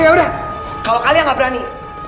ya udah kalo kalian gak berani